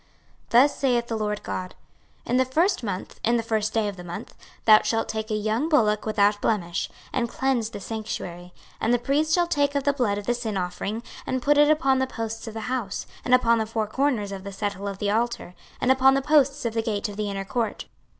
26:045:018 Thus saith the Lord GOD; In the first month, in the first day of the month, thou shalt take a young bullock without blemish, and cleanse the sanctuary: 26:045:019 And the priest shall take of the blood of the sin offering, and put it upon the posts of the house, and upon the four corners of the settle of the altar, and upon the posts of the gate of the inner court.